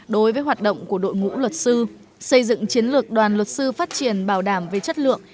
đối với hoạt động của đội ngũ luật sư xây dựng chiến lược đoàn luật sư phát triển bảo đảm về chất lượng